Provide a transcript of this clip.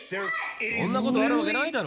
そんなことあるわけないだろ！